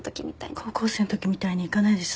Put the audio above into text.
高校生のときみたいにはいかないでしょ。